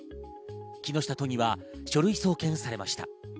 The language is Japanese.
木下都議は書類送検されました。